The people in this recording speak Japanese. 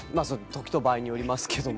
時と場合によりますけども。